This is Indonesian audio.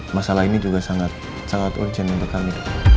masalah ini juga sangat urgent untuk kami